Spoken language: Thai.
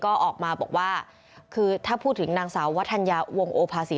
ก็ออกมาบอกว่าคือถ้าพูดถึงนางสาววัฒนยาวงโอภาษี